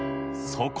そこ！